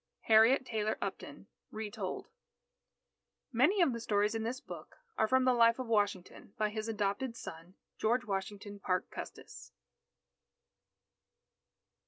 Harriet Taylor Upton (Retold) _Many of the stories in this book are from the Life of Washington, by his adopted son, George Washington Parke Custis.